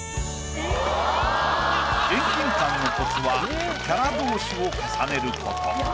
遠近感のコツはキャラ同士を重ねること。